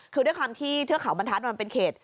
คือด้วยความที่เทือกเขาบรรทัศน์มันเป็นเขต